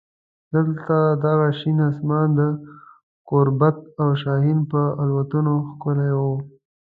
دلته دغه شین اسمان د ګوربت او شاهین په الوتنو ښکلی و.